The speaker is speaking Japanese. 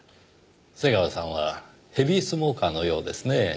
瀬川さんはヘビースモーカーのようですねぇ。